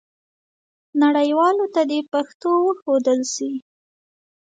نړیوالو ته دې پښتو وښودل سي.